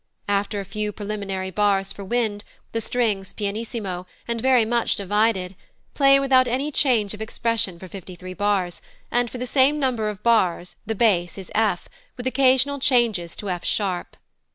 After a few preliminary bars for wind, the strings pianissimo, and very much divided, play without any change of expression for fifty three bars, and for the same number of bars the bass is F, with occasional changes to F sharp.